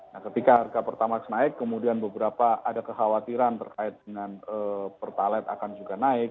nah ketika harga pertamax naik kemudian beberapa ada kekhawatiran terkait dengan pertalite akan juga naik